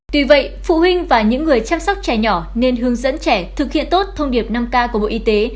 tuy vậy phụ huynh và những người chăm sóc trẻ nhỏ nên hướng dẫn trẻ thực hiện tốt thông điệp năm k của bộ y tế